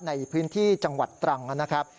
ในพื้นที่จังหวัดตรังนะครับ